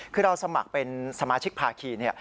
คือเราสมัครเป็นสมาชิกภาคีเนี่ย